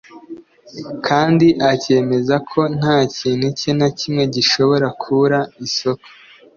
kandi akemeza ko nta kintu cye na kimwe gishobora kubura isoko